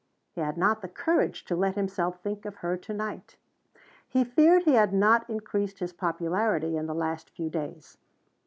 He had not the courage to let himself think of her tonight. He feared he had not increased his popularity in the last few days.